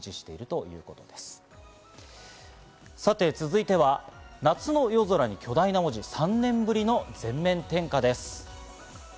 続いては夏の夜空に巨大な文字、３年ぶりの全面点火です。